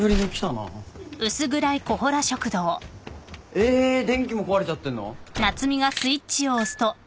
え電気も壊れちゃってんの？